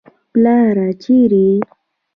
پلاره چېرې يې.